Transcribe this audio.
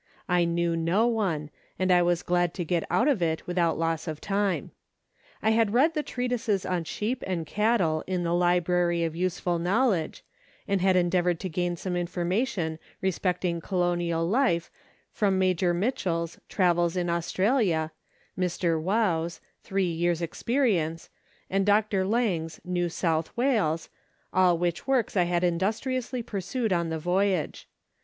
I knew no one, and I was glad to get out of it without loss of time. I had read the treatises on sheep and cattle in the " Library of Useful Knowledge," and had en deavoured to gain some information respecting colonial life from Major Mitchell's " Travels in Australia," Mr. Waugh's " Three Years' Experience," and Dr. Lang's " New South Wales," all which works I had industriously perused on the voyage.